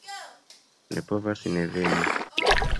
Ne povas ne veni.